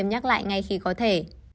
nhắc lại ngay khi có thể